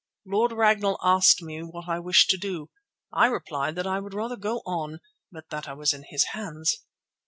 Lord Ragnall asked me what I wished to do. I replied that I would rather go on, but that I was in his hands.